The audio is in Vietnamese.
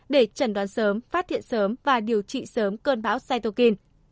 để trần đoán sớm phát hiện sớm và điều trị sớm cơn bão cytokine